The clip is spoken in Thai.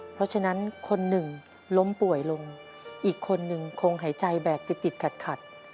เพราะฉะนั้นคนหนึ่งล้มป่วยลงอีกคนนึงคงหายใจแบบติดติดขัด